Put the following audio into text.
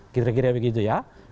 kira kira begitu ya